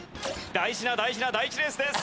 大事な大事な第１レースです！